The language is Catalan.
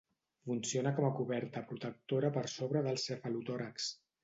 Funciona com a coberta protectora per sobre del cefalotòrax.